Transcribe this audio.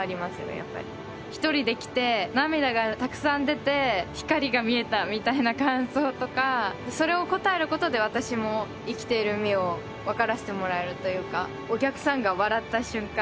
やっぱり１人で来て涙がたくさん出て光が見えたみたいな感想とかそれをこたえることで私も生きている意味をわからせてもらえるというかお客さんが笑った瞬間